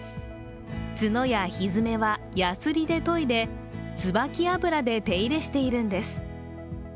角やひづめは、やすりで研いで椿油で手入れしているんです。